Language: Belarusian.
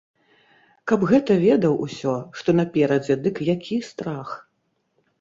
Каб гэта ведаў усё, што наперадзе, дык які страх!